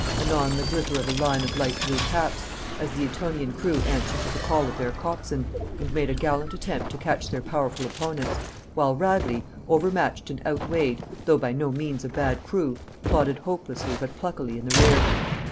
anon the glitter of a line of light blue caps, as the Etonian crew answered to the call of their coxswain, and made a gallant attempt to catch their powerful opponents; while Radley, overmatched and outweighted, though by no means a bad crew, plodded hopelessly but pluckily in the rear.